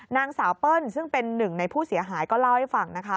นางสาวเปิ้ลซึ่งเป็นหนึ่งในผู้เสียหายก็เล่าให้ฟังนะคะ